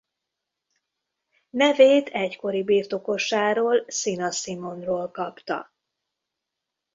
Nevét egykori birtokosáról Sina Simonról kapta.